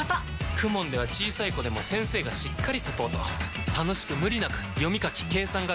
ＫＵＭＯＮ では小さい子でも先生がしっかりサポート楽しく無理なく読み書き計算が身につきます！